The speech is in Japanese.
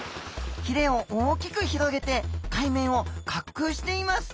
ヒレを大きく広げて海面を滑空しています。